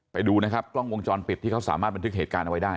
ไปดูนะครับกล้องวงจรปิดที่เขาสามารถบันทึกเหตุการณ์เอาไว้ได้